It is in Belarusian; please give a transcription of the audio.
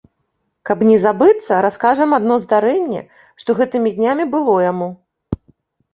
Каб не забыцца, раскажам адно здарэнне, што гэтымі днямі было яму.